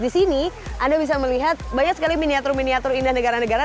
di sini anda bisa melihat banyak sekali miniatur miniatur indah negara negara